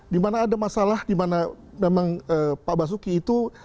dimana ada masalah dimana memang pak basuki itu